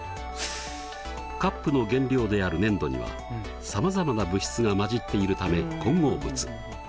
カップの原料である粘土にはさまざまな物質が混じっているため混合物。